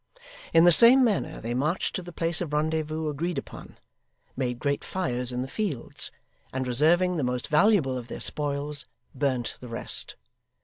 In the same manner, they marched to the place of rendezvous agreed upon, made great fires in the fields, and reserving the most valuable of their spoils, burnt the rest.